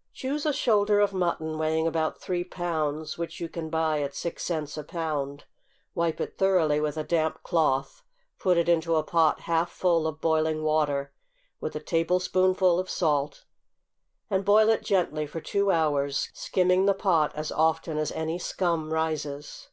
= Choose a shoulder of mutton weighing about three pounds, which you can buy at six cents a pound; wipe it thoroughly with a damp cloth, put it into a pot half full of boiling water, with a tablespoonful of salt, and boil it gently for two hours, skimming the pot as often as any scum rises.